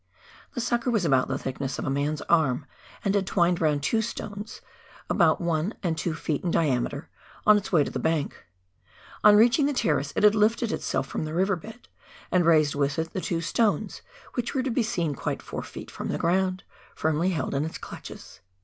The sucker was about the thickness of a man's arm, and had twined round two stones, about one and two ft. in diameter, on its way to the bank. On reaching the terrace it had lifted itself from the river bed, and raised with it the two stones, which were to be seen quite 4 ft. from the ground, firmly held in its clutches.